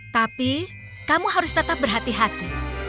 tapi kamu harus tetap berhati hati